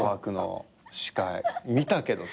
見たけどさ。